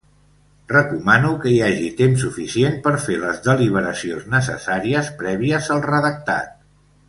Recomano que hi hagi temps suficient per fer les deliberacions necessàries prèvies al redactat.